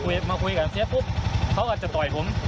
ต้องมาคุยกันเสียปุ๊บเขาอาจจะต่อยผม